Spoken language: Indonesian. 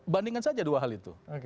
bandingkan saja dua hal itu